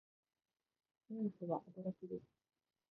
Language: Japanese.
ニュースは驚きです。